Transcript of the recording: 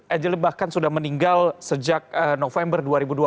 angeli bahkan sudah meninggal sejak november dua ribu dua puluh